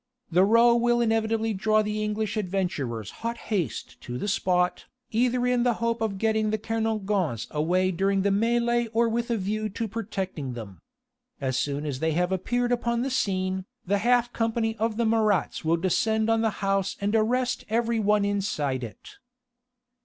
The row will inevitably draw the English adventurers hot haste to the spot, either in the hope of getting the Kernogans away during the mêlée or with a view to protecting them. As soon as they have appeared upon the scene, the half company of the Marats will descend on the house and arrest every one inside it."